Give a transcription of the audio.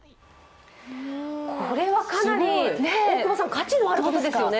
これはかなり、大久保さん価値のあるものですよね。